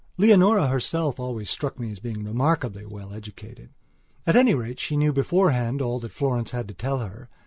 Leonora herself always struck me as being remarkably well educated. At any rate, she knew beforehand all that Florence had to tell her.